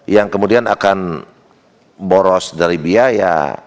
yang kemudian akan boros dari biaya